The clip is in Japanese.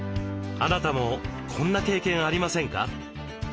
あなたもこんな経験ありませんか？